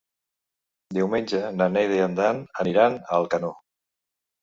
Diumenge na Neida i en Dan aniran a Alcanó.